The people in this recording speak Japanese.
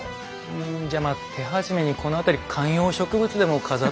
うんじゃまあ手始めにこの辺り観葉植物でも飾ってみますかね。